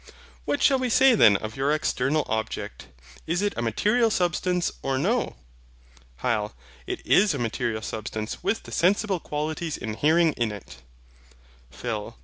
What shall we say then of your external object; is it a material Substance, or no? HYL. It is a material substance with the sensible qualities inhering in it. PHIL.